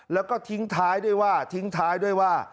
แล้วก็ทิ้งท้ายด้วยว่า